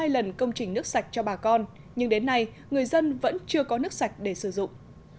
hai lần công trình nước sạch cho bà con nhưng đến nay người dân vẫn chưa có nước sạch để sử dụng